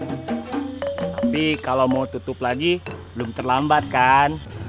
tapi kalau mau tutup lagi belum terlambat kan